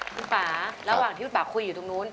คุณป่าระหว่างที่คุณป่าคุยอยู่ตรงนู้น